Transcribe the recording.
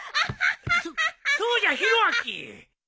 そそうじゃひろあき。え？